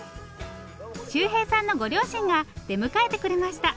修平さんのご両親が出迎えてくれました。